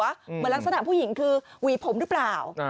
เหมือนลักษณะผู้หญิงคือหวีผมหรือเปล่า